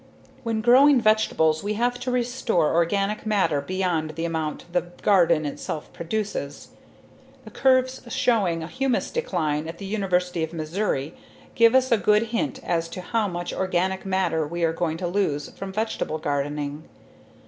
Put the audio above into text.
When growing vegetables we have to restore organic matter beyond the amount the garden itself produces. The curves showing humus decline at the University of Missouri give us a good hint as to how much organic matter we are going to lose from vegetable gardening.